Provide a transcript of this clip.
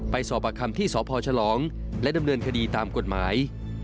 สอบประคำที่สพฉลองและดำเนินคดีตามกฎหมาย